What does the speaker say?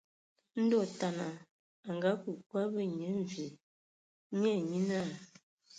Ndɔ otana a ake kwi ábe Nyia Mvi nye ai nye náa.